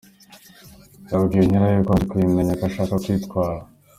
Yabwiye nyirayo ko amaze kuyimenya ko ashaka kwitwara.